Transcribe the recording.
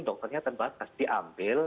dokternya terbatas diambil